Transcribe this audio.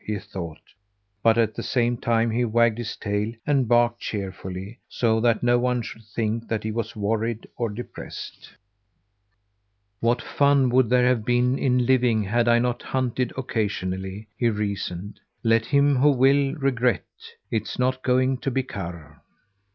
he thought, but at the same time he wagged his tail and barked cheerfully, so that no one should think that he was worried or depressed. "What fun would there have been in living had I not hunted occasionally?" he reasoned. "Let him who will, regret; it's not going to be Karr!"